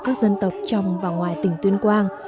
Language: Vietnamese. các dân tộc trong và ngoài tỉnh tuyên quang